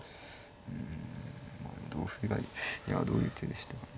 うん同歩がいやどういう手でしたかね。